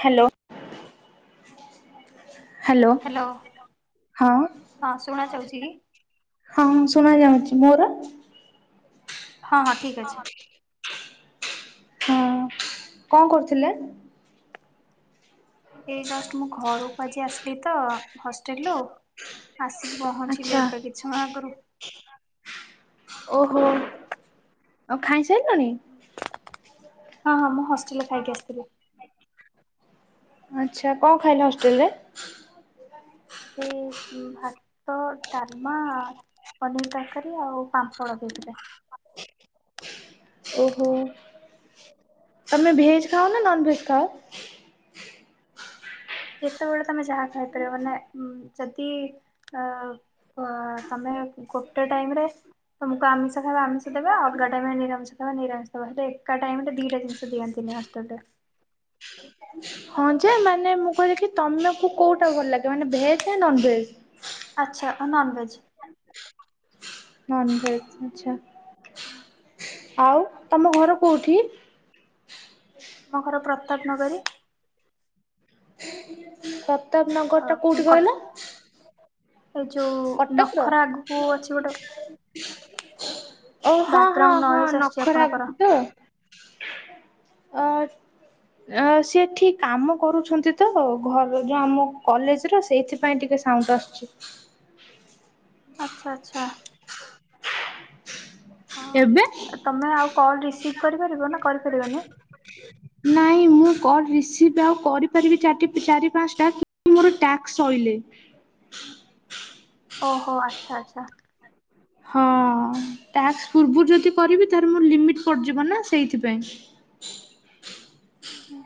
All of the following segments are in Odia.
ହାଲୋ। ହାଲୋ ହ୍ୟାଲୋ ହଁ। ହଁ ଶୁଣା ଯାଉଛି କି? ହଁ ଶୁଣା ଯାଉଛି। ମୋର? ହଁ ହଁ ଠିକ୍ ଅଛି। ହୁଁ କଣ କରୁଥିଲେ? ଏଇ ଜଷ୍ଟ ମୁଁ ଘରକୁ ଆଜି ଆସିଲି ତ ହଷ୍ଟେଲରୁ ଆସିକି ପହଞ୍ଚିଲି ଆଚ୍ଛା। ଏବେ କିଛି ସମୟ ଆଗରୁ। ଓହୋ। ଆଉ ଖାଇସାରିଲନି? ହଁ ହଁ ମୁଁ ହଷ୍ଟେଲରେ ଖାଇକି ଆସିଥିଲି। ଆଚ୍ଛା କଣ ଖାଇଲା ହଷ୍ଟେଲ ରେ? ଆ ସେ ଭାତ, ଡାଲମା ପନିର ତରକାରୀ ଆଉ ପାମ୍ପଡ଼ ଦେଇଥିଲେ। ଓହୋ ତମେ ଭେଜ ଖାଅ ନା ନନ ଭେଜ ଖାଅ? ଯେତେବେଳେ ତମେ ଯାହା ଖାଇପାରିବ ନା ଯଦି ଅ ତମେ ଗୋଟେ ଟାଇମ ରେ ତମକୁ ଆମିଷଖାଇବା ଆମିଷ ଦେବା ଆ ଅଲଗା ଟାଇମ ରେ ନିରାମିଷ ଖବା ନିରାମିଷ ଦେବା ହେଲେ ଏକା ଟାଇମ ରେ ଦିଟା ଜିନିଷ ଦିଅନ୍ତିି। ଆମ ହଷ୍ଟେଲ ରେ। [inaudible] ହଁ ଯେ ମାନେ ମୁଁ କହିଲେ କି ତମକୁ କୋଉଟା ଭଲ ଲାଗେ ମାନେ ଭେଜ ନା ନନ ଭେଜ? ଆଛା! ଆ ନନଭେଜ୍। ନନଭେଜ୍ ଆଛା। ଉଁ, ଆଉ ତମ ଘର କୋଉଠି? ମୋ ଘର ପ୍ରତାପ ନଗରୀ। ପ୍ରତାପ ନଗର ଟା କୋଉଠି କ କହିଲ? ଏଇ ଯୋଉ କଟକ ର। ନଖରା ଆଗକୁ ଅଛି ଗୋଟେ ଓ ହଁ ହଁ ବ୍ୟାକଗ୍ରାଉଣ୍ଡ ହଁ ନଏଜ ଆସୁଛି ନଖରା ଆପଣଙ୍କର ଆଗକୁ ତ। ଅ-ଅ-ଅଚ। ଅ ସିଏ ଏଠି କାମ କରୁଛନ୍ତି। ତ ଘର ଯୋଉ ଆମ କଲେଜ ର ସେଇଥିପାଇଁ ଟିକେ ସାଉଣ୍ଡ ଆସୁଛି। ଆଚ୍ଛା ଆଚ୍ଛା। ହଁ, ତମେ ଆଉ କଲ ରିସିଭ କରିପାରିବ ନା କରିପାରିବନି? ନାଇଁ ମୁଁ କଲ୍ ରିସିଭ୍ ଆଉ କରିପାରିବି ଚାଟି ଚାରି ପାଞ୍ଚଟା ମୋର ଟ୍ୟାକ୍ସ ସଇଲେ। ହୁଁ [unintelligible] ଓହୋ! ଆଚ୍ଛା ଆଚ୍ଛା। ହଁ। ଟାକ୍ସ ପୂର୍ବରୁ ଯଦି କରିବି। ତାହଲେ ମୋର ଲିମିଟ ପଡିଯିବ ନା ସେଇଥିପାଇଁ। ହୁଁ ହୁଁ।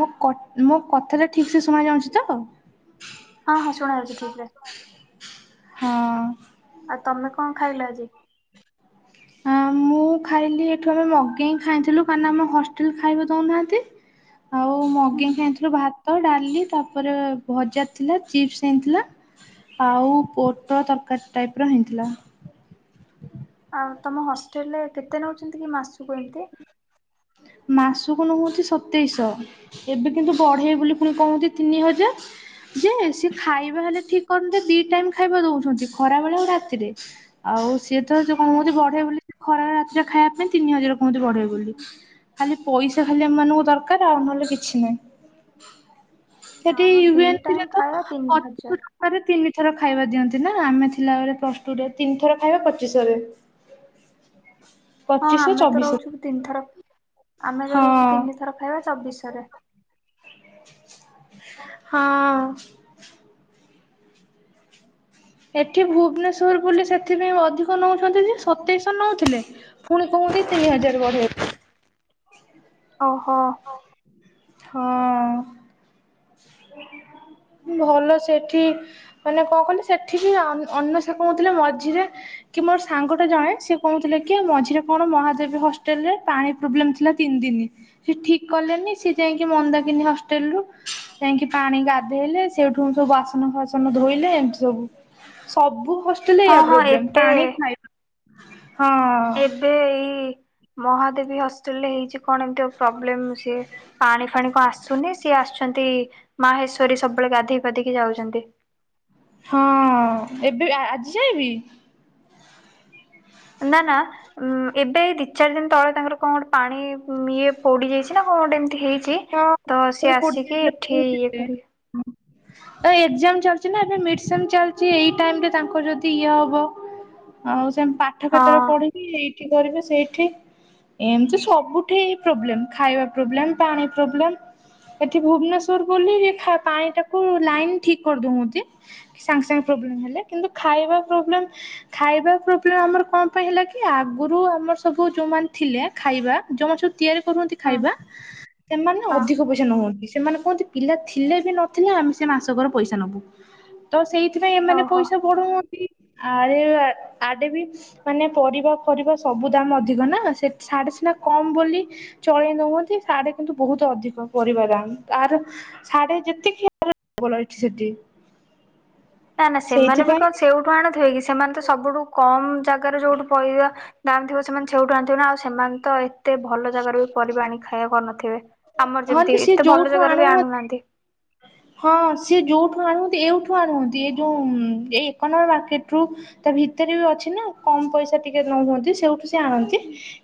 ମୋ କଟ୍-କଥାଟା ଠିକ୍ ସେ ଶୁଣା ଯାଉଛି ତ? ହଁ ହଁ ଶୁଣାାଯାଉଛି ଠିକ୍ ରେ। ହଁ। ଆଉ ତମେ କଣ ଖାଇଲ ଆଜି? ହଁ, ମୁଁ ମୁଁ ଖାଇଲି ଏଠୁ ଆମେ ମଗେଇଁ କି ଖାଇଥିଲୁ କାହିଁକିନା, ଆମ ହଷ୍ଟେଲ ଖାଇବାକୁ ଦଉନାହାଁନ୍ତି। ଆଉ ହୁଁ ହୁଁ ମଗେଁଇକି ଆଣିଥିଲୁ ଭାତ, ଡ଼ାଲି ତାପରେ ଭଜା ଥିଲା ଚିପ୍ସ ହେଇଁଥିଲା। ଆଉ ପୋଟୋଳ ତରକାରୀ ଟାଇପ୍ର ହେଇଥିଲା। ଆଉ ତମ ହଷ୍ଟେଲ ରେ କେତେ ନେଉଛନ୍ତି କି ମାସକୁ ଏମତି? ମାସକୁ ନଉନ୍ତି, ସତେଇଶହ ଏବେ କିନ୍ତୁ ବଢ଼େଇବେ ବୋଲି ପୁଣି କହୁନ୍ତି ବୋଲି ତିନି ହଜାର। ଯେ ସେ ଖାଇବା ହେଲେ ଠିକ୍ କରନ୍ତେ ଦି ଟାଇମ ଖାଇବା ଦଉଛନ୍ତି, ଖରା ବେଳେ ଆଉ ରାତିରେ। ଆଉ ସିଏ ତ ଯେ କଣ କହୁଚି, ବଢ଼େଇବେ ବୋଲି ଖରା ରାତିରେ ଖାଇବା ପାଇଁ ତିନି ହଜାର କୁହନ୍ତି, ବଢ଼େଇବେ ବୋଲି। ଖାଲି ପଇସା ଖାଲି ଏମାନଙ୍କୁ ଦରକାର ଆଉ ନହେଲେ କିଛି ନାହିଁ। ନା ସେଠି ଆମ ଦି ୟୁ ଏନ ଟାଇମ ସିରେ ତ ଖାଇବା ତିନି ଅଠ [inaudible] ହଜାର ଟଙ୍କାରେ ତିନି ଥର ଖାଇବା ଦିଅନ୍ତି ନା ଆମେ ଥିଲାବେଳେ ପ୍ଲସ ଟୁ ରେ ତିନି ଥର ଖାଇବା ପଚିଶ ଶରେ। [inaudible] ହଁ, ଆମେ ତ ରହୁଛୁ ତିନି ଥର। ଆମେ ତ ହଁ ରହୁଛୁ ତିନିଥର ଖାଇବା ଚବିଶି ଶରେ। ହଁ, ଏଠି ଭୁବନେଶ୍ୱର ବୋଲି ସେଥିପାଇଁ ଅଧିକ ନଉଛନ୍ତି ଯେ। ସତେଇଶହ ନଉଥିଲେ, ଫୁଣି କଣ କୁନ୍ତି ତିନି ହଜାର ବଢ଼େଇବୁ ବୋଲି। ହ [inaudible] ଓହୋ! ହଁ ଅଁ ଭଲ ସେଠି, ମାନେ କଣ କଲେ ସେଠିକି ଅନ୍ୱେଷା କହୁଁଥିଲେ, ମଝିରେ କି ମୁଁ ମୋର ସାଙ୍ଗଟା ଜଣେ ସେ କହୁଥିଲେ କି, ମଝିରେ କଣ ମହାଦେବୀ ହଷ୍ଟେଲରେ ପାଣି ପ୍ରୋବ୍ଲେମ୍ ଥିଲା ତିନି ଦିନି। ସେ ଠିକ୍ କଲେନି ସିଏ ଯାଇକି ମନ୍ଦାକିିନି ହଷ୍ଟେଲରୁ ଯାଇଁକି ପାଣି ଗାଧେଇଲେ, ସେଠୁଁ ସବୁ ବାସନ ଫାସନ ଧୋଇଲେ ଏମତି ସବୁ। ସବୁ ହଷ୍ଟେଲରେ ହଁ ଏୟା ହଁ ପ୍ରୋବ୍ଲେମ୍ ପାଣି, ଏବେ ଖାଇବା। ହଁ ଏବେ ଏଇ ମହାଦେବୀ ହଷ୍ଟେଲରେ ହେଇଛି କଣ ଏମିତି ଏ ପ୍ରୋବ୍ଲେମ୍ ସିଏ? ପାଣି ଫାଣି କ ଆସୁନି ସିଏ ଆସୁ ନାନ୍ତି ମାହେଶ୍ଵରୀ ସବୁବେଳେ ଗାଧୋଇ ପାଧିକି ଯାଉଚନ୍ତି। ହଁ ଏବେ ଆଜି ଯାଏ ବି ନା ନା ଉଁ ଏବେ ଦି ଚାରି ଦିନ ତଳେ ତାଙ୍କର କଣ ଗୋଟେ ପାଣି ଇଏ ପୋଡି ଯାଇଚି ନା କଣ କଣ ଗୋଟେ ଏମତି ହେଇଚି ହଁ ଇଏ କରିବେ [unintelligible] ଏକ୍ଜାମ ଚା ଚି ନା ଏବେ ମିଡ଼ସେମ୍ ଚାଲିଚି ଏଇ ଟାଇମରେ ତାଙ୍କୁ ଯଦି ଇଏ ହେବ ଆଉ ସେମ୍ ପାଠ ହଁ କେତେବେଳେ ପଢ଼ିକି କରିବେ ସେଇଠି, ଏମତି ସବୁଠି ପ୍ରୋବ୍ଲେମ୍ ଖାଇବା ପ୍ରୋବ୍ଲେମ୍ ପାଣି ପ୍ରୋବ୍ଲେମ୍। ଏଠି ଭୁବନେଶ୍ଵର ବୋଲି ଖା ପାଣି ଟାକୁ ଲାଇନ୍ ଠିକ କରିଦଉଚନ୍ତି ସାଙ୍ଗେ ସାଙ୍ଗେ ହୁଁ ହେଲେ କିନ୍ତୁ ଖାଇବା ପ୍ରୋବ୍ଲେମ୍- ଖାଇବା ପ୍ରୋବ୍ଲେମ୍ ଆମର କଣ ପାଇଁ ହେଲା କି ଆଗରୁ ଆମର ସବୁ ଯୋଉମାନେ ଥିଲେ ଖାଇବା ଯୋଉମାନେ ସବୁ ତିଆରି କରୁଚନ୍ତି ହୁଁ ଖାଇବା ସେମାନେ ହଁ ଅଧିକ ପଇସା ନଉ ନିଅନ୍ତି, ସେମାନେ କୁହନ୍ତି ପିଲା ଥିଲେ ବି ନଥିଲେ ଆମେ ସେ ମାସକର ପଇସା ନବୁ ତ ସେଇ ଥିପାଇଁ ଏମାନେ ଓହୋ। ପଇସା ବଢ଼ଉଛନ୍ତ ନ୍ତି। ଆଡ଼େ ଆଡ଼େ ବି ମାନେ ପରିବା ଫରିବା ସବୁ ଦାମ ଅଧିକ ନା ସେ ଆଡ଼େ ସିନା କମ ବୋଲି ଚଳେଇ ନଉଚନ୍ତି ସାଢେ଼ କିନ୍ତୁ ବହୁତ ଅଧିକ ପରିବା ଦାମ ତାର ସାଢ଼େ ଯେତିକି ବଲାରଛିି ସେଟି ନା ନା ସେମାନେ ବି କଣ ସେଇଠୁ ଆଣୁଥିବେ କି ସେମାନେ ତ ସବୁଠୁ କମ ଜାଗାରେ ଯୋଉଠୁ ପରିବା ଦାମ୍ ଥିବ ସେମାନେ ସେଉଠୁ ଆଣିଥିବେ ନା ଆଉ ସେମାନେ ତ ଏତେ ଭଲ ଜାଗାରୁ ବି ପରିବା ଆଣି ଖାଇବା କରିନଥିବେ ଆମର ହଁ ଯେ ଯେମିତି ସିଏ ଏତେ ଭଲ ଯୋଉଠୁ ଜାଗାରୁ ବି ଆଣୁ ଆଣୁନାହାନ୍ତି। ହଁ ସିଏ ଯୋଉଁଠୁ ଆଣନ୍ତି ଏଇଠୁ ଆଣନ୍ତି ଏଇ ଯୋଉଁ ଏଇ ଏକ ନମ୍ବର ମାର୍କେଟ ରୁ ଭିତରେ ବି ଅଛି ନା କମ ପଇସା ଟିକେ ନ ହୁଅନ୍ତି ସେଇଠୁ ସେ ଆଣନ୍ତି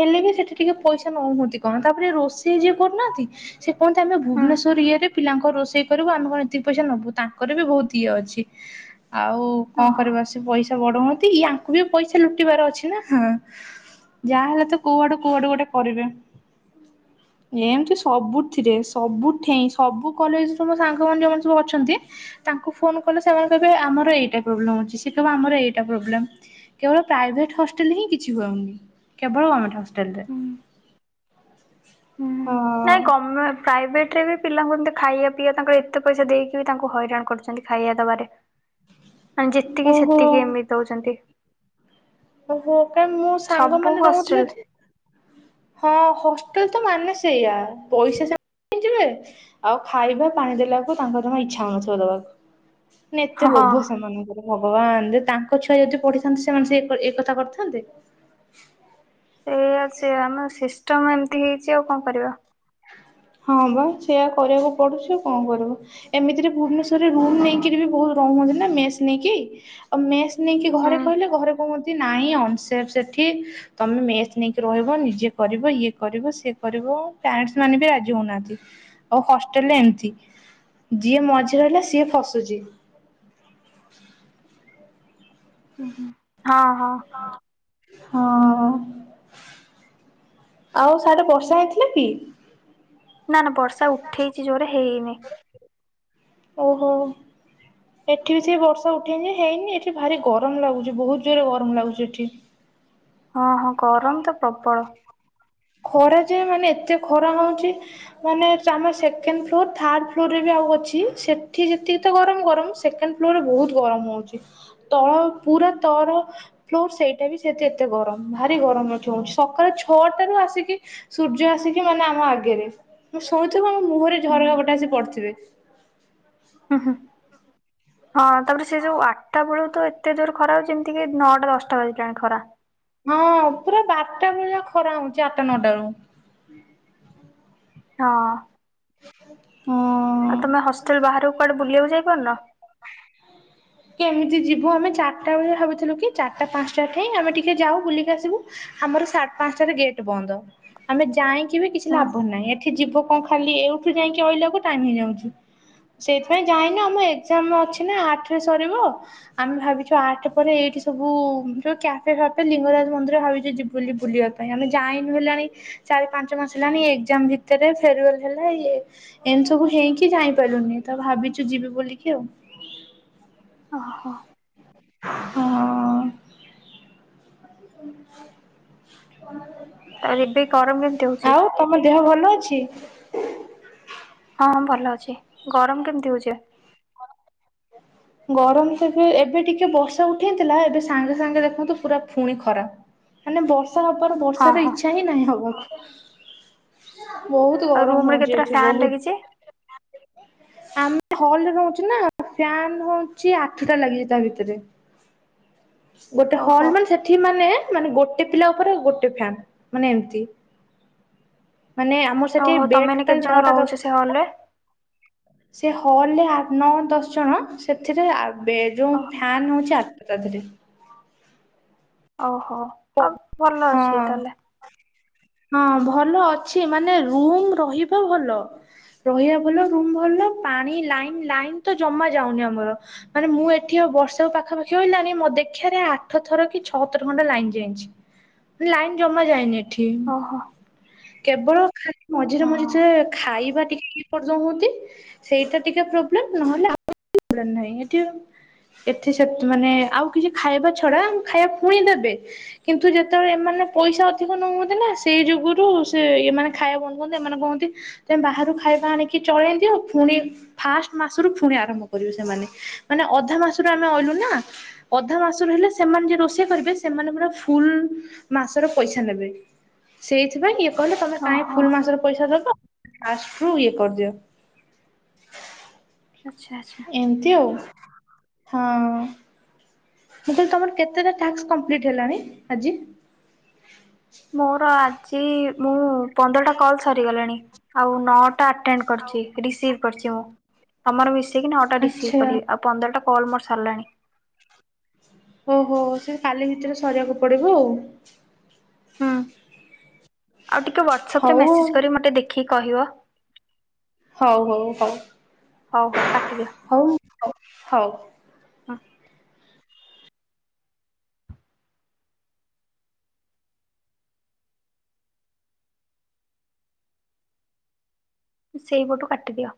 ହେଲେ ବି ସେଠି ଟିକେ ପଇସା କହୁଚନ୍ତି କଣ ତାପରେ ରୋଷେଇ ଯିଏ କରୁନାହାନ୍ତି ସେ କହନ୍ତି ଆମେ ହୁଁ ଭୁବନେଶ୍ଵର ଇଏ ରେ ପିଲାଙ୍କ ରୋଷେଇ ବୁ ଆମେ କଣ ଏତିକି ପଇସା ନବୁ ତାଙ୍କର ବି ବହୁତ ଇଏ ଅଛି ଆଉ କଣ ଓହୋ। କରିବା ସେ ପଇସା ବଡ ହନ୍ତି ଇୟାଙ୍କୁ ବି ପଇସା ଲୁଟିବାର ଅଛି ନା ହଁ। ଯାହା ହେଲେ ତ କୋଉଆଡୁ କୋଉଆଡୁ ଗୋଟେ କରିବେ ଏମିତି ସବୁଥିରେ ସବୁ ଠେଇଁ ସବୁ କଲେଜ ସାଙ୍ଗ ମାନେ ସବୁ ଅଛନ୍ତି ତାଙ୍କୁ ଫୋନ କଲେ ସେମାନେ କହିବେ ଆମର ଏଇଟା ପ୍ରୋବ୍ଲେମ ଅଛି ସିଏ କହିବ ଆମର ଏଇ ଏଇଟା ପ୍ରୋବ୍ଲେମ୍ କେବଳ ପ୍ରାଇଭେଟ୍ ହଷ୍ଟେଲରେ ହିଁ କିଛି ହଉନି କେବଳ ଗଭମେଣ୍ଟ ହସ୍ ହେଲା। ହୁଁ ହୁଁ ନାଇଁ ଗମେ ପ୍ରାଇଭେଟ ରେ ବି ପିଲାଙ୍କୁ ଏମିତି ଖାଇବା ପିଇବା ତାଙ୍କ ଏତେ ପଇସା ଦେଇକି ବି ତାଙ୍କୁ ହଇରାଣ କରୁଛନ୍ତି ଖାଇବା ଦବାରେ। ଯେତିକି ଓହୋ ସେତିକି ଆମେ ଦଉଛନ୍ତି। ଓ ହୋ କାଇଁ ମୋ ସାଙ୍ଗ ସବୁ ମାନ ରହୁଥିଲେ ହଷ୍ଟେଲ ଯେ ହଁ ହସ୍ [unintelligible] ମାନେ ସେଇଆ ପଇସା [unintelligible] ଆଉ ଖାଇବା ପାଣି ଦେଲାକୁ ତାଙ୍କର ଜମା ଇଚ୍ଛା ହଉନଥିବ ଦେବାକୁ। ହଁ ଏତେ ହଁ। ଲୋଭ ସେମାନଙ୍କର ଭଗବାନ ଯଦି ତାଙ୍କ ଛୁଆ ଯଦି ପଢିଥାନ୍ତେ ସେମାନେ ସେ ଏ କଥା କରିଥାନ୍ତେ? ଏ ସେ ଆମ ସିଷ୍ଟମ ଏମିତି ହେଇଚି ଆଉ କଣ କରିବା। ହଁ ହଁ ବା ସେଇଆ କରିବାକୁ ପଡୁଛି ଆଉ କଣ କରିବ ଏମିତିରେ ଭୁବନେଶ୍ୱରରେ ରୁମ ନେଇକିରି ବି ବହୁତ ରହୁ କଣ କରିଛି ନ ମେସ୍ ନେଇକି ଆଉ ମେସ୍ ନେଇକି ହୁଁ। ଘରେ କହିଲେ ଘରେ କଣ କରିଛି ନା ନାହିଁ ଅନସ ସେଠି ତମେ ମେସ ନେଇକି ରହିବ ନିଜେ କରିବ ଇଏ କରିବ ସିଏ କରିବ ପ୍ୟାରେଣ୍ଟ ମାନେ ବି ରାଜି ହଉନାହାନ୍ତି ଆଉ ହଷ୍ଟେଲରେ ଏମିତି ଯିଏ ମଝିରେ ରହିଲା ସିଏ ଫସୁଛି। ହ ହ ହଁ ହଁ। ହଁ। ଆଉ ସାଡେ ବର୍ଷା ହେଇଥିଲା କି? ନା ନା ବର୍ଷା ଉଠେଇଛି ଜୋରେ ହେଇନି। ଓହୋ। ଏଠି ବି ସେ ବର୍ଷା ଉଠେଇଚି ହେଇନି ଏଠି ଭାରି ଗରମ ଲାଗୁଛି ବହୁତ ଜୋରରେ ଗରମ ଲାଗୁଛି ଏଠି। ହଁ ହଁ ହଁ ଗରମ ତ ପ୍ରବଳ। ଖରା ଯେ ମାନେ ଏତେ ଖରା ହଉଛି ମାନେ ଆମ ସେକେଣ୍ଡ ଫ୍ଲୋର ଥାର୍ଡ଼ ଫ୍ଲୋରରେ ଆଉ ଅଛି ସେଠି ଯେତିକି ତ ଗରମ ଗରମ ସେକେଣ୍ଡ ଫ୍ଲୋରରେ ବହୁତ ଗରମ ହଉଛି। ତଳ ପୁରା ପୁରା ତର ଫ୍ଲୋର ସେଇଟା ବି ସେ ଏତେ ଗରମ ଭାରି ଗରମ ଅ ସକାଳ ଛ [unintelligible] ଆସିକି ସୂର୍ଯ୍ୟ ଆସିକି ମାନେ ଆମ ଆଗରେ। ଆମେ ଶୋଇଥିବୁ ଆମ ମୁହରେ ଝରକା ପଟେ ଆସିକି ପଡିିଥିବ। ହୁ ହୁ। ହଁ ତାପରେ ସେ ଯୋଉ ଆଠଟା ବେଳୁ ତ ଏତେ ଜୋର ଖରା ହଉ ଯେମିତି କି ନଅଟା ଦଶଟା ବାଜିଲାଣି ଖରା ହଁ ପୁରା ବାରଟା ଭେଳିଆ ଖରା ହଉଛି ଆଠଟା ନଅଟା ରୁ ହଁ। ହଁ। ଆଉ ତମେ ହଷ୍ଟେଲ ବାହାରକୁ କୁଆଡେ ବୁଲିବାକୁ ଯାଇପାରୁନ? କେମିତି ଯିବୁ ଆମେ ଚାରିଟା ବେଳେ ଭାବିଥିଲୁ କି ଚାରିଟା ପାଞ୍ଚଟା ଠାଇ ଆମେ ଟିକେ ଯାଉ ବୁଲିକି ଆସିବୁ ଆମର ସାଢ ପାଞ୍ଚଟାରେ ଗେଟ୍ ବନ୍ଦ ଆମେ ଯାଇକି ବି କିଛି ହୁଁ ଲାଭ ନାହିଁ ଏଠି ଯିବ କଣ ଖାଲି ଏଇଠି ରହିକି ଆଇଲା କୁ ଟାଇମ ହେଇଯାଉଛି। ସେଇଥିପାଇଁ ଯାହାହେନ ଆମ ଏଗଜାମ ଅଛି ନା ଆଠ ସରିବ ଆମେ ଭାବିଛୁ ଆଠ ପରେ ଏଇଠି ସବୁ ଯ କ୍ୟାଫେ ଫ୍ୟାଫ ଲିଙ୍ଗରାଜ ମନ୍ଦିର [unintelligible] ଯିବୁନି ବୁଲିବା ପାଇଁ, ଆମେ ଯାଈନୁ ବୁଲିବା ପାଇଁ ଚାରି ପାଞ୍ଚ ମାସ ହେଲାଣି ଏ ଏକଜାମ ଭିତରେ ଫେର ୱେଲ ହେ ରେ ଇମିତି ସବୁ ହେଇକି ଯାଇପାରିଲୁନି ତ ଭାବିଚୁ ଯିବି ବୋଲିକି ଆଉ। ଓ ହୋ। ହଁ। ତାପରେ ଏବେ ଗରମ କେମିତି ହଉଛି? ଆଉ ତମ ଦେହ ଭଲ ଅଛି? ହଁ ଭଲ ଅଛି ଗରମ କେମିତି ହଉଚି? ଗରମ ତବେ ଏବେ ଟିକେ ବର୍ଷା ଉଠେଇଥିଲା ଏବେ ସାଙ୍ଗେ ସାଙ୍ଗେ ଦେଖନ୍ତୁ ପୁରା ଫୁଣି ଖରା। ମାନେ ବର୍ଷା ହବାର ହଁ ବର୍ଷାର ହଁ ଇଚଛା ହିଁ ନାହିଁ ହଵାକୁ। ବହୁତ ଆଉ ଗରମ ରୁମ ରେ ହଉଚ କେତେଟା ଏଠି ଫ୍ୟାନ ଲାଗିଛି? ବହୁତ। ଆମେ ହଲରେ ରହୁଚୁ ନା ଫ୍ୟାନ୍ ହଉଚି ଆଠଟା ଲାଗିଛି ତା ଭିତରେ। ଗୋଟେ ଓହୋ ହଲ ମାନେ ସେଠି ମାନେ ମାନେ ଗୋଟେ ପିଲା ଉପରେ ଆଉ ଗୋଟେ ଫ୍ୟାନ ମାନେ ଏମିତି। ମାନେ ଆମର ସେଠି ଓହୋ ତମେ ବେଡ ଏଇନେ କେତେ ଟୋଟାଲ ଜଣ ନଅଟା ରହୁଛ ସେ ହଲ ଦଶଟା। ରେ? ସେ ହଲ ନଅ ଦଶ ଜଣ ସେଥିରେ ଆ ବେ ଯଉଁ ଓହୋ ଫ୍ୟାନ୍ ହଉଚି ଆଠଟା ତାଧିରେ। ଓହୋ। ଆଉ ଭଲ ହଁ ଅଛି ତାହେଲେ ହଁ ଭଲ ଅ ଛି ମାନେ ରୁମ ରହିବା ଭଲ। ରହିବା ଭଲ ରୁମ ଭଲ ପାଣି ଲାଇନ ଲାଇନ ତ ଜମା ଯାଉନି ଆମର ମାନେ ମୁଁ ଏଠି ବର୍ଷାକୁ ପାଖାପାଖି ରହିଲାନି ମୋ ଦେଖିଵାରେ ଆଠ ଥର କି ଛଅ ଥର ଖଣ୍ଡେ ଲାଇନ୍ ଯାଇଛି। ଲାଇନ୍ ଜମା ଯାଏନି। ଏଠି। ଓ ହୋ। କେବଳ ଖାଲି ମଝିରେ ମଝିରେ ଖାଇବା ଟିକେ ଏପଜ ହନ୍ତି ସେଇଟା ଟିକେ ପ୍ରୋବ୍ଲେମ୍। ନହଲେ ଆଉ [unintelligible] ପ୍ରୋବଲମ ନାହି। ଏଠ ଏଠି ସେତ୍ ମାନେ ଆଉ କିଛି ଖାଇବା ଛଡା ଖାଇବା ଫୁଣି ଦେବେ। କିନ୍ତୁ ଯେତେବେଳେ ଏମାନେ ପଇସା ଅଧିକ ନ ହୁଅନ୍ତି ନା ସେଇ ଯୁଗରୁ ସେ ଏମାନେ ଖାଇବା ବନ ଉନ୍ତି ଏମାନେ କୁହନ୍ତି ତ ବାହାରୁ ଖାଇବା ଆଣିକି ଚଳେଇଦିଅ ଆଉ ପୁଣି ଫାଷ୍ଟ ମାସରୁ ପୁଣି ଆରମ୍ଭ କରିବେ ସେମାନେ। ମାନେ ଅଧା ମାସରୁ ଆମେ ଅଇଲୁ ନା ଅଧା ମାସରୁ ହେଲେ ସେମାନେ ଯ ରୋଷେଇ କରିବେ ସେମାନେ ପୁରା ଫୁଲ ମାସର ପଇସା ନେବେ ସେଇଥିପାଇଁ କହିଲେ ତମେ କାଇଁ ଓହୋ ଫୁଲ୍ ମାସର ପଇସା ଦଉଚ ଆସ୍ଚୁ ଇଏ କରିଦ୍ୟ ଆଚ୍ଛା ଆଚ୍ଛା। ଏମତି ଆଉ ହଁ। ମୁଁ କହିଲି ତମର କେତେଟା ଟ୍ୟାସ୍କ କମ୍ପଲିଟି ହେଲାଣି ଆଜି? ମୋର ଆଜି ମୁଁ ପନ୍ଦରଟା କଲ୍ ସରିଗଲାଣି ଆଉ ନଅଟା ପାଟ୍ ଟାଇମ୍ କରିଚି ରିସିଭ୍ କରିଚି ମୁଁ ତମର ମିସିକି ନଟା ରିସିଭ୍ ଆଚ୍ଛା କଲି ଆଉ ପଦ୍ଦର ଟା କଲ୍ ମୋର ସରିଲାଣି। ଓହୋ ସେ କାଲି ଭିତରେ ସରିବାକୁ ପଡ଼ିବ ଆଉ। ହୁଁ। ଆଉ ଟିକେ ହ୍ୱାଟସପ୍ ରେ ହଉ ମେସେଜ୍ କରି ମୋତେ ଦେଖିକି କହିବ? ହଉ ହଉ ହଉ ହଉ ହଉ କାଟିଦିଅ। ହଉ ହଉ ହଉ। ହଁ। ସେଇ ପଟୁ କାଟିଦିଅ।